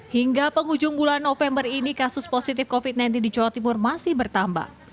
hingga penghujung bulan november ini kasus positif covid sembilan belas di jawa timur masih bertambah